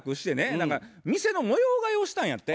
何か店の模様替えをしたんやって。